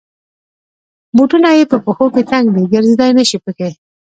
بوټونه یې په پښو کې تنګ دی. ګرځېدای نشی پکې.